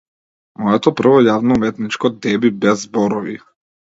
Моето прво јавно уметничко деби без зборови.